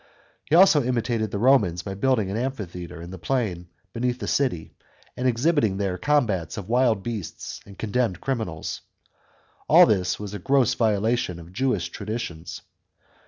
He also imitated the Romans by building an amphitheatre hi the plain beneath the city, and exhibiting there combats of wild beasts and condemned criminals. All this was a gross violation of Jewish traditions.